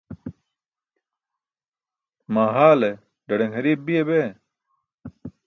Maa haale ḍaḍaṅ hariip biya bee?